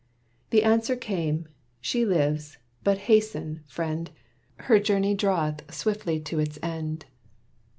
The answer came. "She lives, but hasten, friend! Her journey draweth swiftly to its end."